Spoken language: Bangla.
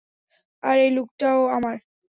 আর এই লুকটাও আমার।